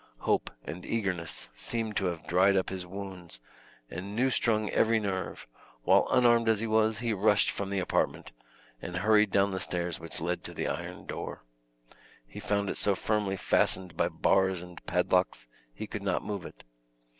Hope and eagerness seemed to have dried up his wounds and new strung every nerve, while unarmed as he was, he rushed from the apartment, and hurried down the stairs which led to the iron door. He found it so firmly fastened by bars and padlocks, he could not move it.